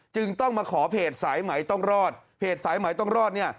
จึงต้องมาขอเพจสายไหมต้องรอดเพจสายไหมต้องรอดเนี่ย